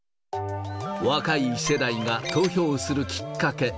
若い世代が投票するきっかけ。